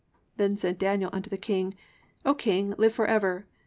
(21) Then said Daniel unto the king, O king, live for ever.